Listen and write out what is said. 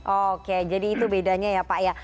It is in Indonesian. oke jadi itu bedanya ya pak ya